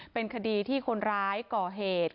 เป็นคดีที่คนร้ายก่อเหตุ